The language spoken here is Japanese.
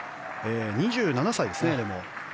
２７歳ですね、でも。